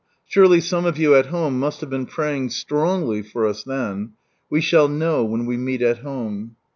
Surely some of you at home must have been praying strongly for us then. We shall know when we meet at Home.